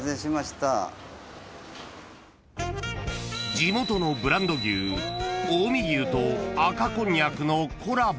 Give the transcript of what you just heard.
［地元のブランド牛近江牛と赤こんにゃくのコラボ］